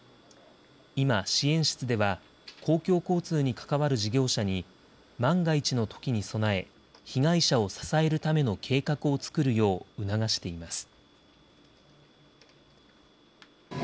今、支援室では、公共交通に関わる事業者に、万が一のときに備え、被害者を支えるための計画を作るよう促しています。